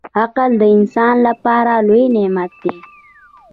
• عقل د انسان لپاره لوی نعمت دی.